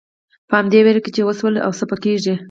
په همدې وېره کې چې څه وشول او څه به کېږي.